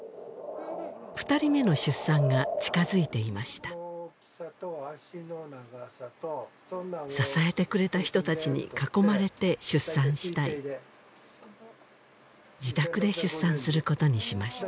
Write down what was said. ２人目の出産が近づいていました支えてくれた人たちに囲まれて出産したい自宅で出産することにしました